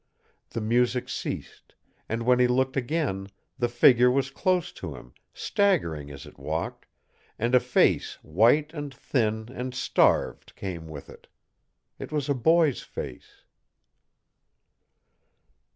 The music ceased, and when he looked again the figure was close to him, staggering as it walked, and a face white and thin and starved came with it. It was a boy's face.